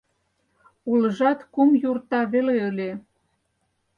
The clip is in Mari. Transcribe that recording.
Улыжат кум юрта веле ыле.